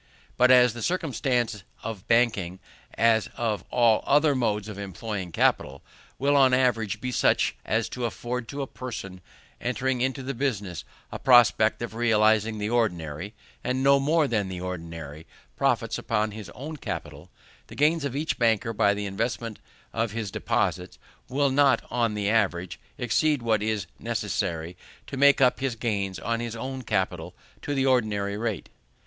But as the circumstances of banking, as of all other modes of employing capital, will on the average be such as to afford to a person entering into the business a prospect of realizing the ordinary, and no more than the ordinary, profits upon his own capital; the gains of each banker by the investment of his deposits, will not on the average exceed what is necessary to make up his gains on his own capital to the ordinary rate.